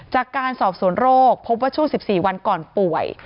จากการสอบสวนโรคพบว่าช่วง๑๔วันก่อนป่วย